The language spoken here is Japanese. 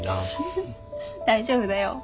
フフ大丈夫だよ。